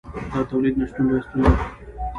د تولید نشتون لویه ستونزه ده.